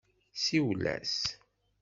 Siwel-as.